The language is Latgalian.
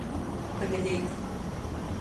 Tagadeit.